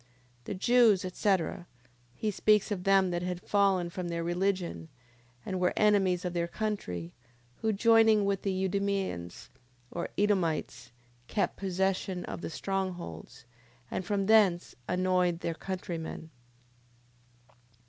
The Jews, etc... He speaks of them that had fallen from their religion, and were enemies of their country, who joining with the Idumeans or Edomites, kept possession of the strong holds, and from thence annoyed their countrymen.